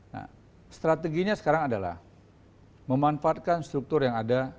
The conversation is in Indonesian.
nah strateginya sekarang adalah memanfaatkan struktur yang ada